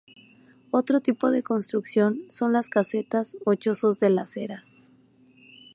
Otro tipo de construcción son las casetas o chozos de las eras.